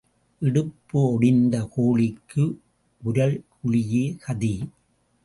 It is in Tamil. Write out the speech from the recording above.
இடுப்பு ஒடிந்த கோழிக்கு உரல் குழியே கதி.